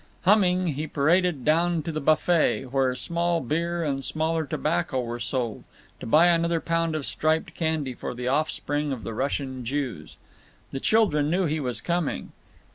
Humming, he paraded down to the buffet, where small beer and smaller tobacco were sold, to buy another pound of striped candy for the offspring of the Russian Jews. The children knew he was coming.